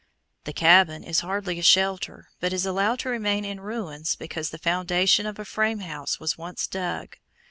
The cabin is hardly a shelter, but is allowed to remain in ruins because the foundation of a frame house was once dug.